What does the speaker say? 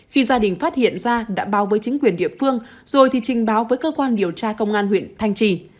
khi gia đình phát hiện ra đã báo với chính quyền địa phương rồi thì trình báo với cơ quan điều tra công an huyện thanh trì